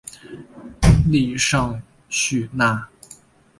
利尚叙纳。